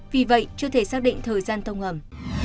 vì vậy chưa thể xác định thời gian thông hầm